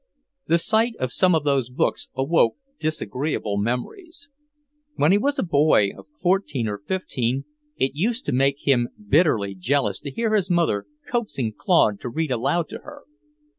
The sight of some of those books awoke disagreeable memories. When he was a boy of fourteen or fifteen, it used to make him bitterly jealous to hear his mother coaxing Claude to read aloud to her.